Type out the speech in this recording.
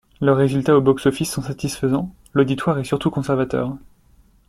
Leurs résultats au box-office sont satisfaisants, l'auditoire est surtout conservateur.